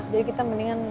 jadi kita mendingan